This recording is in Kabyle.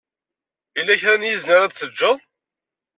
Yella kra n yizen ara d-teǧǧed?